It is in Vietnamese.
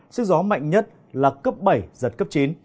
sức gió mạnh nhất là cấp bảy giật cấp chín